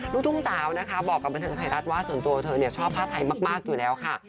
ลูกทุ่งสาวนะคะบอกกับบันเทิงไทยรัฐว่าส่วนตัวเธอชอบผ้าไทยมากอยู่แล้วค่ะ